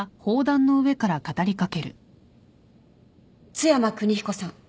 津山邦彦さん